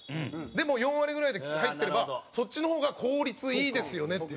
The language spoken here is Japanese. でも、４割ぐらいで入ってればそっちの方が効率いいですよねっていう。